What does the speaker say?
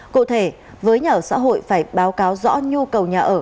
cụ thể với nhà ở xã hội phải báo cáo rõ nhu cầu nhà ở